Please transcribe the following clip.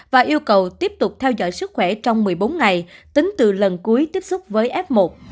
và yêu cầu tiếp tục theo dõi sức khỏe trong một mươi bốn ngày tính từ lần cuối tiếp xúc với f một